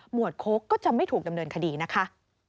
วดโค้กก็จะไม่ถูกดำเนินคดีนะคะ